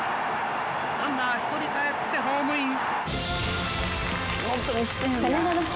ランナー１人かえってホームイン。